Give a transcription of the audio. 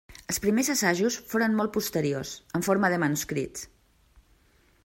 Els primers assajos foren molt posteriors, en forma de manuscrits.